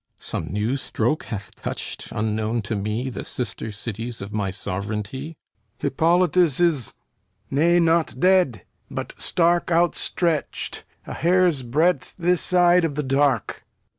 Some new stroke hath touched, unknown to me, The sister cities of my sovranty? HENCHMAN Hippolytus is...Nay, not dead; but stark Outstretched, a hairsbreadth this side of the dark.